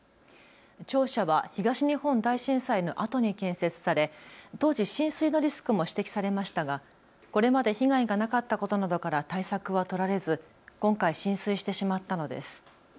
庁舎は東日本大震災のあとに建設され当時、浸水のリスクも指摘されましたがこれまで被害がなかったことなどから対策は取られず今回浸水してしまったのです。